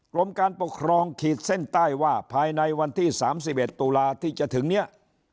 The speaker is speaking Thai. กรมการปกครองขีดเส้นใต้ว่าภายในวันที่๓๑ตุลาที่จะถึงเนี่ย